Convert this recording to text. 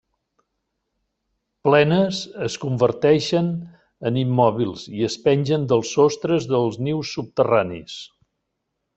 Plenes, es converteixen en immòbils i es pengen dels sostres dels nius subterranis.